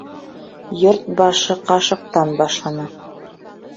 Йорт башы ҡашыҡтан башлана.